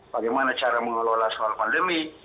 bagaimana cara mengelola soal pandemi